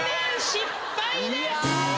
失敗です。